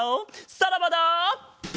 さらばだ！